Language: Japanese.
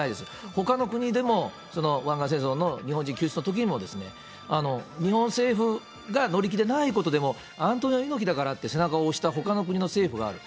ほかの国でも、湾岸戦争の日本人救出のときも、日本政府が乗り気でないことでも、アントニオ猪木だからって、ほかの国の、政府がある。